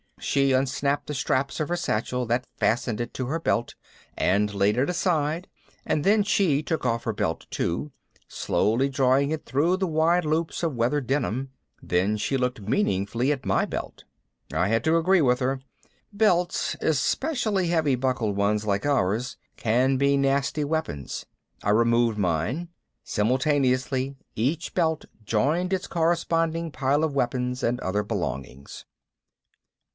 She unsnapped the straps on her satchel that fastened it to her belt and laid it aside and then she took off her belt too, slowly drawing it through the wide loops of weathered denim. Then she looked meaningfully at my belt. I had to agree with her. Belts, especially heavy buckled ones like ours, can be nasty weapons. I removed mine. Simultaneously each belt joined its corresponding pile of weapons and other belongings.